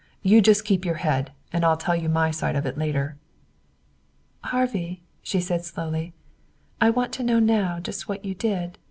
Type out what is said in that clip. You just keep your head, and I'll tell you my side of it later." "Harvey," she said slowly, "I want to know now just what you did.